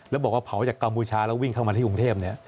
แล้วบอกว่าเผาจากกัมพูชาแล้ววิ่งเข้ามาที่กรุงเทพ